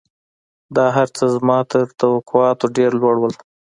دا هرڅه زما تر توقعاتو ډېر لوړ وو